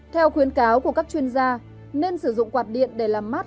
theo khuyến cáo của các chuyên gia nên sử dụng quạt điện để làm mát